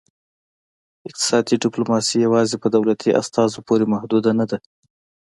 اقتصادي ډیپلوماسي یوازې په دولتي استازو پورې محدوده نه ده